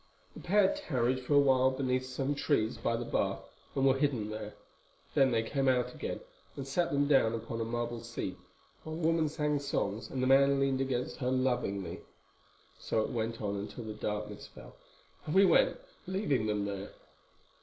The pair tarried for a while beneath some trees by the bath and were hidden there. Then they came out again and sat them down upon a marble seat, while the woman sang songs and the man leaned against her lovingly. So it went on until the darkness fell, and we went, leaving them there.